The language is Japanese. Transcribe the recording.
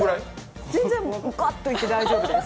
全然、ガッといって大丈夫です。